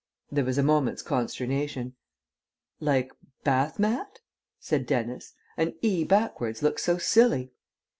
There was a moment's consternation. "Like 'bath mat'?" said Dennis. "An 'e' backwards looks so silly."